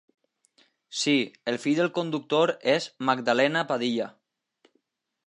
Sí, el fill del conductor és Magdalena Padilla.